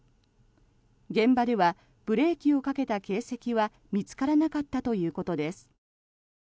現場ではブレーキをかけた形跡は見つからなかったということです。